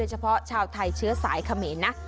เฉพาะชาวไทยเชื้อสายเขมรนะ